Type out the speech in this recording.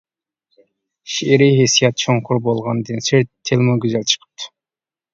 شېئىرىي ھېسسىيات چوڭقۇر بولغاندىن سىرت، تىلىمۇ گۈزەل چىقىپتۇ.